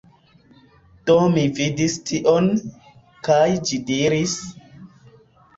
Do mi vidis tion, kaj ĝi diris...